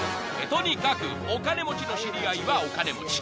［とにかくお金持ちの知り合いはお金持ち］